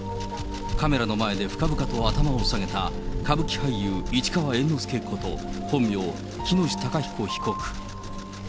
カメラの前で深々と頭を下げた歌舞伎俳優、市川猿之助こと本名・喜熨斗孝彦被告。